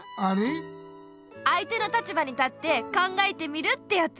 相手の立場に立って考えてみるってやつ。